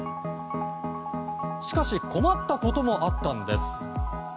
しかし、困ったこともあったんです。